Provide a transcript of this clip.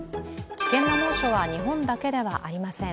危険な猛暑は日本だけではありません。